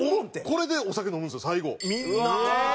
これでお酒飲むんですよ最後。